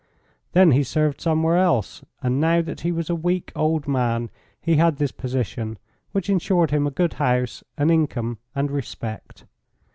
Then he served somewhere else, and now that he was a weak, old man he had this position, which insured him a good house, an income and respect.